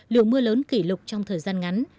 lượng mưa lớn kỷ lục trong thời gian ngắn